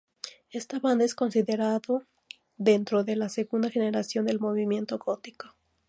Esta banda es considerada dentro de la segunda generación del movimiento gótico.